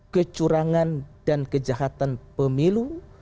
kecurangan dan kejahatan pemilu